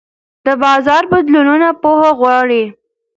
د بازار بدلونونه پوهه غواړي.